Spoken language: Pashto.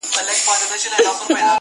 • له هغې ورځي نن شل کاله تیریږي -